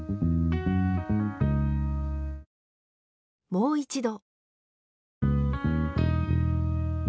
もう一度。